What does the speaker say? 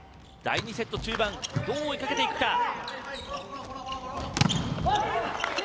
第２セット中盤どう追いかけていくか。